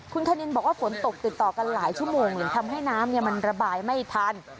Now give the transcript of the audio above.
คุณคณินบอกว่าฝนตกติดต่อกันหลายชั่วโมงเลยทำให้น้ำมันระบายไม่ทัน